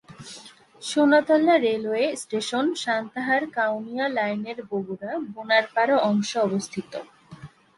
Sonatala railway station Santahar-Kaunia লাইনের বগুড়া-বোনারপাড়া অংশে অবস্থিত।